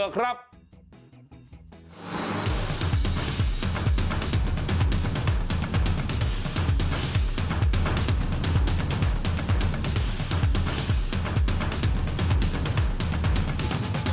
จราเข้ยักษ์ใหญ่ไล่ล่าเยือครับ